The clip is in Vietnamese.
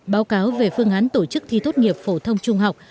báo cáo về phương án tổ chức thi tốt nghiệp phổ thông trung học